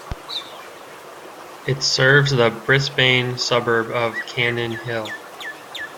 It serves the Brisbane suburb of Cannon Hill.